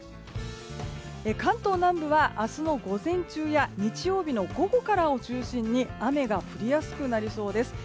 関東南部は明日の午前中や日曜日の午後からを中心に雨が降りやすくなりそうです。